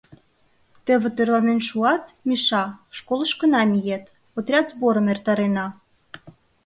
— Теве тӧрланен шуат, Миша, школышкына миет, отряд сборым эртарена.